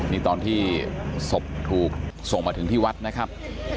นี่ตอนที่ศพถูกส่งมาถึงที่วัดนะครับ